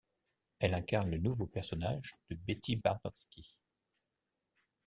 Elle incarne le nouveau personnage de Betty Barnowsky.